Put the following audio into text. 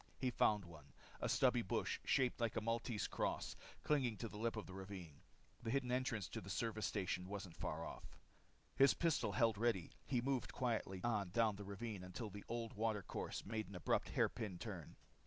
He found one, a stubby bush, shaped like a Maltese cross, clinging to the lip of the ravine. The hidden entrance to the service station wasn't far off. His pistol held ready, he moved quietly on down the ravine until the old water course made an abrupt hairpin turn.